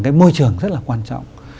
cái môi trường rất là quan trọng